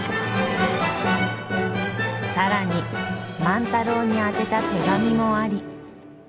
更に万太郎に宛てた手紙もあり。